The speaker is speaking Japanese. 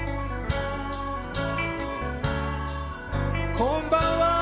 こんばんは！